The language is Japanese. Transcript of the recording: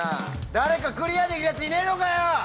誰かクリアできるやつ、いねぇのかよ！